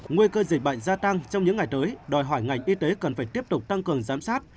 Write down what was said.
nguy cơ dịch bệnh gia tăng trong những ngày tới đòi hỏi ngành y tế cần phải tiếp tục tăng cường giám sát